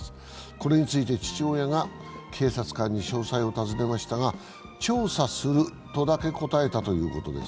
これについて父親が警察官に詳細を尋ねましたが調査するとだけ答えたということです。